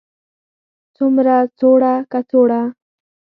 څومره, څوړه، کڅوړه